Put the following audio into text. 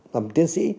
làm tiến sĩ